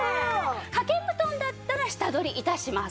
掛け布団だったら下取り致します。